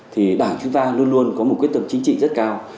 thì đảng chúng ta luôn luôn có một quyết tâm chính trị rất cao